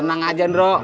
tenang aja nro